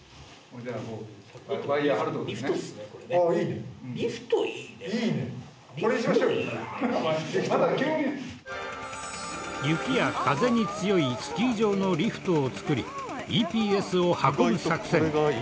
これにしましょう雪や風に強いスキー場のリフトを作りＥＰＳを運ぶ作戦。